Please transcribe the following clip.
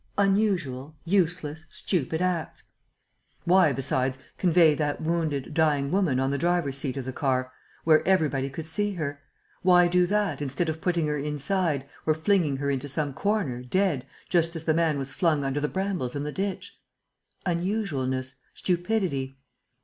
"Unusual, useless, stupid acts. "Why, besides, convey that wounded, dying woman on the driver's seat of the car, where everybody could see her? Why do that, instead of putting her inside, or flinging her into some corner, dead, just as the man was flung under the brambles in the ditch? "Unusualness, stupidity.